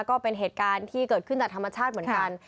ก็เป็นเหตุการณ์ที่เกิดขึ้นจากธรรมชาติเหมือนกัน